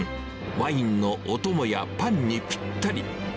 ワインのお供やパンにぴったり。